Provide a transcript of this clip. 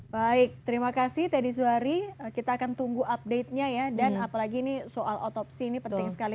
baik terima kasih teddy zuhari kita akan tunggu update nya ya dan apalagi ini soal otopsi ini penting sekali